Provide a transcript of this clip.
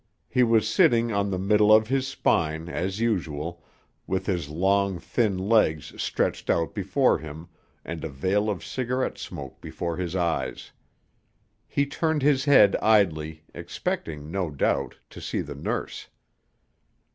He was sitting on the middle of his spine, as usual, with his long, thin legs stretched out before him and a veil of cigarette smoke before his eyes. He turned his head idly, expecting, no doubt, to see the nurse.